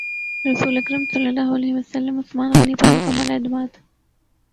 رسول اکرم صلی اللہ علیہ وسلم عثمان غنی پر مکمل اعتماد